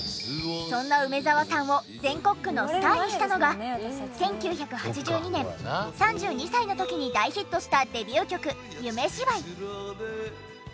そんな梅沢さんを全国区のスターにしたのが１９８２年３２歳の時に大ヒットしたデビュー曲『夢芝居』。